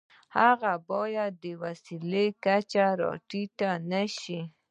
هغه باید د وسیلې کچې ته را ټیټ نشي.